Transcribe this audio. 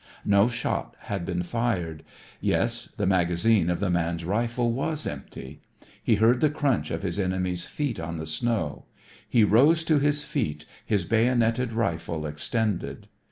No shot had been fired. Yes, the magazine of the man's rifle was empty. He heard the crunch of his enemy's feet on the snow. He rose to his feet, his bayoneted rifle extended.